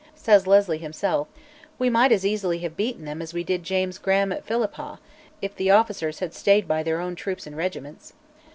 Says Leslie himself, "We might as easily have beaten them as we did James Graham at Philiphaugh, if the officers had stayed by their own troops and regiments."